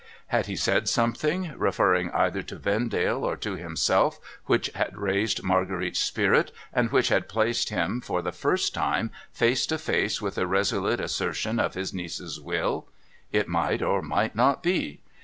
Had he said something, referring either to Vendale or to himself, which had raised Marguerite's spirit, and which had placed him, for the first time, face to face with a resolute assertion of his niece's will ? It might or might not be.